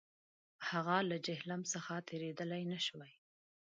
هغه له جیهلم څخه تېرېدلای نه شوای.